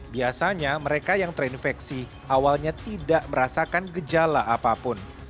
biasanya mereka yang terinfeksi awalnya tidak merasakan gejala apapun